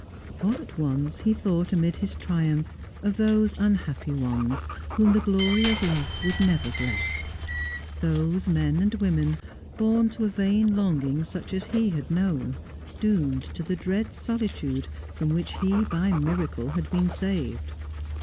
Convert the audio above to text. All at once, he thought amid his triumph of those unhappy ones whom the glory of love would never bless; those, men and women, born to a vain longing such as he had known, doomed to the dread solitude from which he by miracle had been saved.